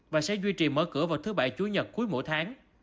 và sẽ duy trì mở cửa vào thứ bảy chủ nhật cuối mỗi tháng